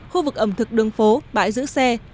khu vực ẩm thực đường phố bãi giữ xe